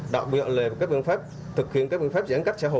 đạo biện lệ các biện pháp thực hiện các biện pháp giãn cách xã hội